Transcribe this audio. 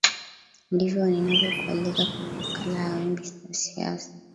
ndivyo ninavyo kualika kwenye makala ya wimbi la siasa